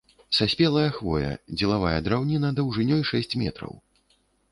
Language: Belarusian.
Саспелая хвоя, дзелавая драўніна даўжынёй шэсць метраў.